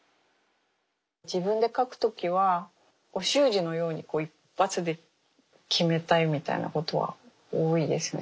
自分で描く時はお習字のように一発で決めたいみたいなことは多いですね。